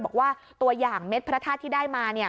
บอกว่าตัวอย่างเม็ดพระธาตุที่ได้มา